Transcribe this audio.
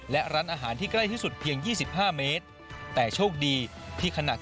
และนักท่องเที่ยวเริ่มเดินทางกลับกันแล้ว